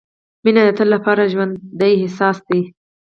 • مینه د تل لپاره ژوندی احساس دی.